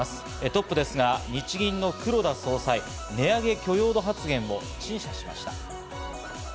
トップですが、日銀の黒田総裁、値上げ許容度発言を陳謝しました。